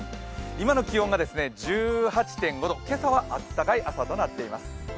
今の気温が１８．５度、今朝はあったかい朝となっています。